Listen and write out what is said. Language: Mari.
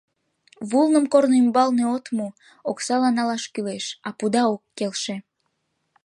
— Вулным корно ӱмбалне от му, оксала налаш кӱлеш, а пуда ок келше.